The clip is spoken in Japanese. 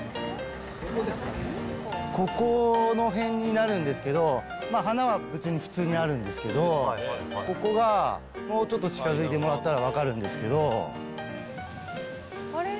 ここの辺になるんですけど、花は別に普通にあるんですけど、ここが、もうちょっと近づいてもらったら分かるんですけど。